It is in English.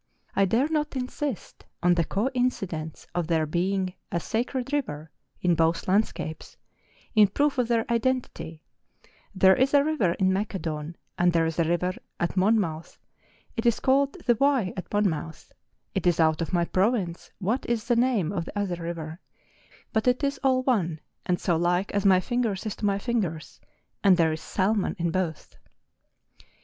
I dare not insist on the coincidence of there being " a sacred river " in both landscapes, in proof of their identity, '' there is a river in Macedon, and there is a river at Monmouth ; it is called the Wye at Mon¬ mouth ; it is out of my province what is the name of 202 MOUNTAIN ADVENTUKES. the other river, but it is all one, and so like as my fingers is to my fingers, and there is salmon in both!